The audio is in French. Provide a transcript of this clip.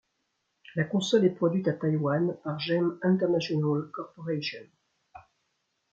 La console est produite à Taïwan par Gem International Corporation.